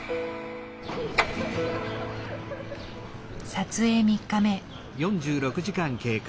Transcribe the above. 撮影３日目。